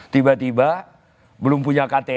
tiba tiba belum punya kta masuk ke pdi